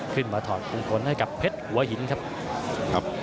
ถอดมงคลให้กับเพชรหัวหินครับ